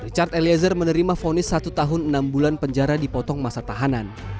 richard eliezer menerima vonis satu tahun enam bulan penjara dipotong masa tahanan